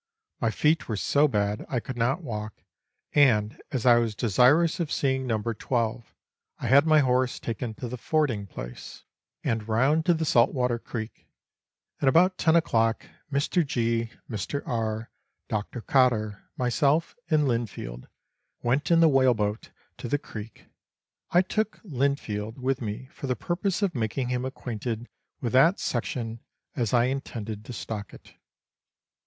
My feet were so bad I could not walk, and, as I was desirous of seeing No. 12, I had my horse taken to the fording place and Letters from Victorian Pioneers. 289 round to the Saltwater Creek, and about ten o'clock Mr. G., Mr. II., Dr. Cotter, myself, and Linfield, went in the whaleboat to the creek. I took Linfield with me for the purpose of making him acquainted with that section, as I intended to stock it.